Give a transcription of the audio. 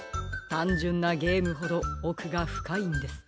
たんじゅんなゲームほどおくがふかいんです。